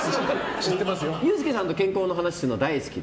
ユースケさんと健康の話をするのが大好きで。